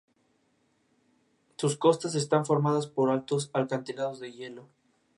Garfield diseñó su primer juego cuando era un adolescente.